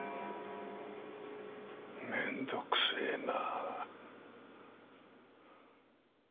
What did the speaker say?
めんどくせえな。